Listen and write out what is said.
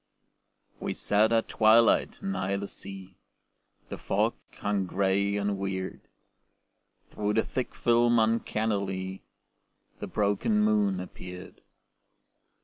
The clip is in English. We sat at twilight nigh the sea, The fog hung gray and weird. Through the thick film uncannily The broken moon appeared.